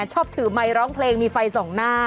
ชอบถือไมค์ร้องเพลงมีไฟส่องหน้า